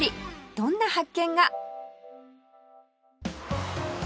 どんな発見が？